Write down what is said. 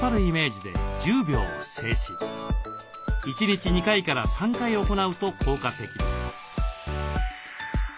１日２回から３回行うと効果的です。